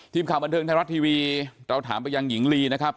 ทีมข่าวบันเทิงไทยรัฐทีวีเราถามไปยังหญิงลีนะครับ